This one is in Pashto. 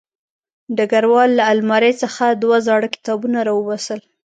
ډګروال له المارۍ څخه دوه زاړه کتابونه راوباسل